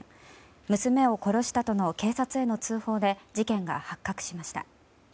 娘を殺したとの警察への通報で事件が発覚しました。